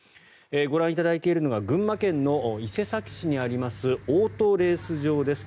ご覧いただいているのが群馬県の伊勢崎市にありますオートレース場です。